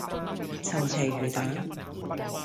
陳皮魚蛋